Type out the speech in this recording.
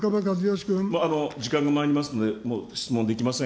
時間がまいりますので、もう質問できません。